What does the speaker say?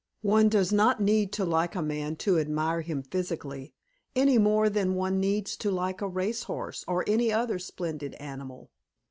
One does not need to like a man to admire him physically, any more than one needs to like a race horse or any other splendid animal.